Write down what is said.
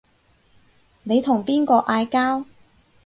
你同邊個嗌交